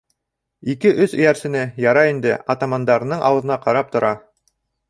Ике-өс эйәрсене, ярай инде, атамандарының ауыҙына ҡарап тора.